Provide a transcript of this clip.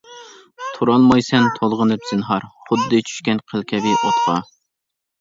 تۇرالمايسەن تولغىنىپ زىنھار، خۇددى چۈشكەن قىل كەبى ئوتقا.